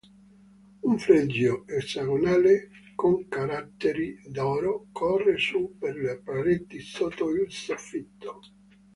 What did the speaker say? Un fregio esagonale con caratteri d'oro corre su per le pareti sotto il soffitto.